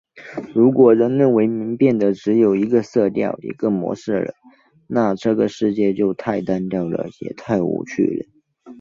如果人类文明变得只有一个色调、一个模式了，那这个世界就太单调了，也太无趣了！